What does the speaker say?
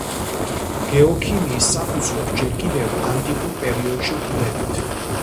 გეოქიმიის საფუძვლებს ჯერ კიდევ ანტიკურ პერიოდში ვხვდებით.